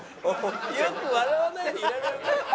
よく笑わないでいられるな。